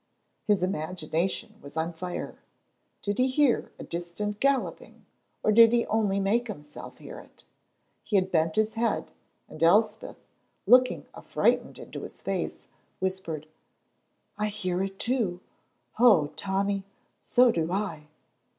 His imagination was on fire. Did he hear a distant galloping or did he only make himself hear it? He had bent his head, and Elspeth, looking affrighted into his face, whispered, "I hear it too, oh, Tommy, so do I!"